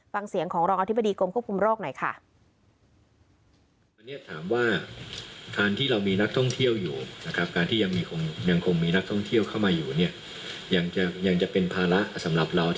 ฟังเสียงของรองอธิบดีกรมควบคุมโรคหน่อยค่ะ